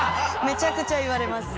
めちゃくちゃ言われます。